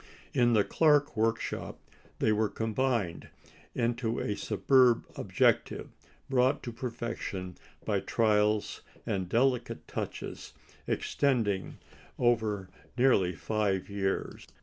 In the Clark workshop they were combined into a superb objective, brought to perfection by trials and delicate touches extending over nearly five years.